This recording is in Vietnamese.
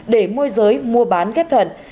để mua giới mua bán ghép thận